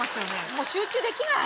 もう集中できない！